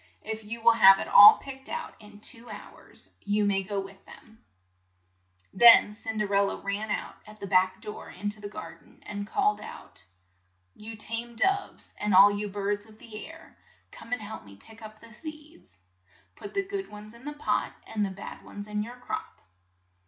If you will have it all picked out in two hours, you may go with them." 1 00 CINDERELLA Then Cin der el la ran out at the back door in to the gar den, and called out, "You tame doves, and all you birds of the air, come and help me pick up the seeds. Put the good ones in the pot, And the bad ones in your crop."